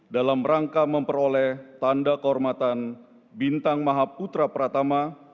dalam rangka memperoleh tanda kehormatan bintang mahaputra pratama